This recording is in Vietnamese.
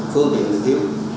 phương tiện lưu thiếu